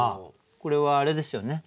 これはあれですよね